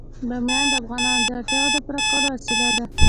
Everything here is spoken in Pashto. بامیان د افغانانو د اړتیاوو د پوره کولو وسیله ده.